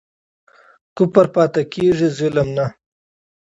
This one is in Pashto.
کفر پاتی کیږي ظلم نه